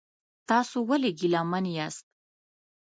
تاسو ولې ګیلمن یاست؟